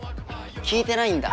聞いてないんだ。